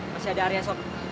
masih ada area sob